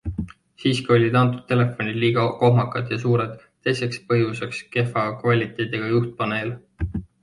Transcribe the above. Siiski olid antud telefonid liiga kohmakad ja suured, teiseks põhjuseks kehva kvaliteediga juhtpaneel.